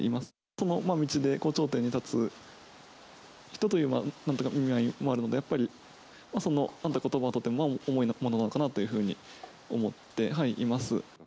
その道で頂点に立つ人という意味合いもあるので、やっぱり、そのことばはとても重いものなのかなというふうに思っています。